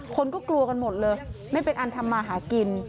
คนก็กลัวกันหมดเลยไม่เป็นอันทำมาหากิน